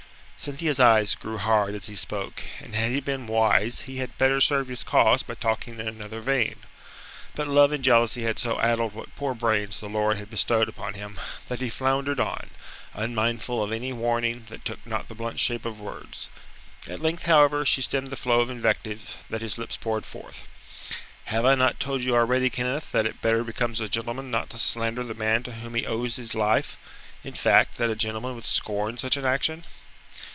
Cynthia's eyes grew hard as he spoke, and had he been wise he had better served his cause by talking in another vein. But love and jealousy had so addled what poor brains the Lord had bestowed upon him, that he floundered on, unmindful of any warning that took not the blunt shape of words. At length, however, she stemmed the flow of invective that his lips poured forth. "Have I not told you already, Kenneth, that it better becomes a gentleman not to slander the man to whom he owes his life? In fact, that a gentleman would scorn such an action?"